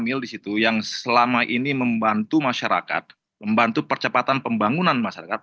kamil di situ yang selama ini membantu masyarakat membantu percepatan pembangunan masyarakat